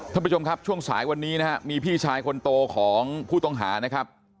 ท่านผู้ชมครับช่วงสายวันนี้นะครับมีพี่ชายคนโตของผู้ต้องหานะครับ